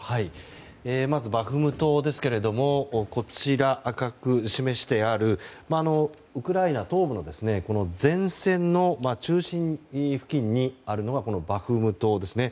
まずバフムトですが赤く示してあるウクライナ東部の前線の中心付近にあるのがこのバフムトですね。